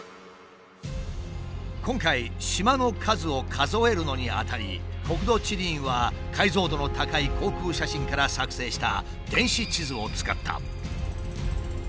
今回島の数を数えるのにあたり国土地理院は解像度の高い航空写真から作成した電子地図を使った。